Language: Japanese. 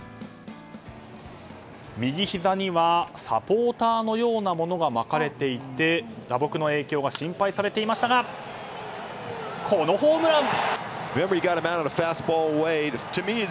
右ひざにはサポーターのようなものが巻かれていて、打撲の影響が心配されていましたがこのホームラン！